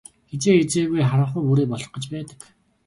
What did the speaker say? Хэзээ хэзээгүй харанхуй бүрий болох гэж байдаг.